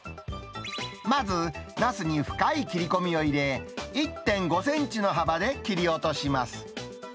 まずナスに深い切り込みを入れ、１．５センチの幅で切り落とします。